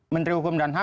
menteri hukum dan ham